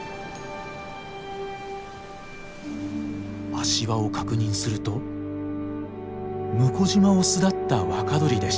足環を確認すると聟島を巣立った若鳥でした。